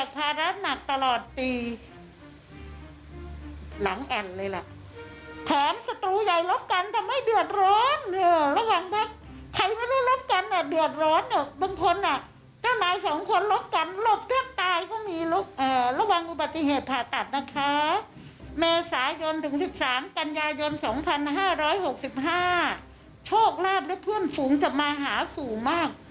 ปี๑๙๖๕โชคลาภด้วยเพื่อนฝูงจะมาหาสูงมาก